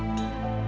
untuk ayah kamu